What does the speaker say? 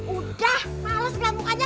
udah males gelap mukanya